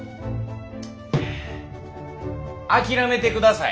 諦めてください。